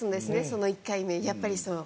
その１回目やっぱりそう。